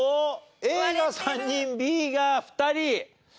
Ａが３人Ｂが２人！